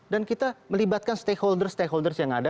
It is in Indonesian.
dan kita melibatkan stakeholder stakeholder yang ada